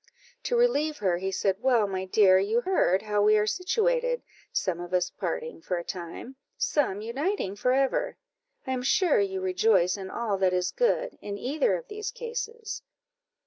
To relieve her, he said "Well, my dear, you heard how we are situated, some of us parting for a time, some uniting for ever; I am sure you rejoice in all that is good, in either of these cases."